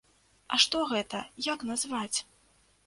А што гэта, як назваць?